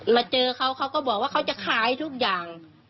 มาเจอเขาเขาก็บอกว่าเขาจะขายทุกอย่าง